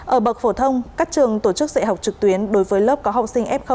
ở bậc phổ thông các trường tổ chức dạy học trực tuyến đối với lớp có học sinh f một